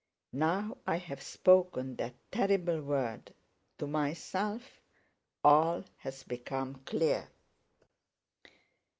Now I have spoken that terrible word to myself all has become clear.